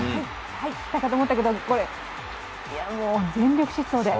入ったかと思ったけど、もう全力疾走で。